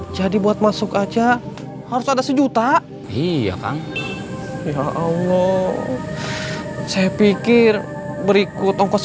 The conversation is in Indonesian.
tiga ratus dua puluh lima jadi buat masuk aja harus ada sejuta iya kang ya allah saya pikir berikut ongkos